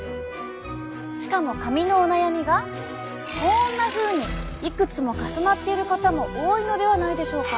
しかも髪のお悩みがこんなふうにいくつも重なっている方も多いのではないでしょうか。